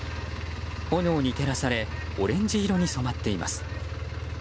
炎に照らされオレンジ色に染まっています。